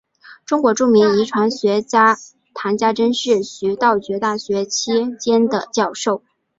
中国著名遗传学家谈家桢是徐道觉大学期间的教授。